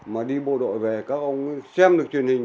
mà đi bộ đội về các ông xem được truyền hình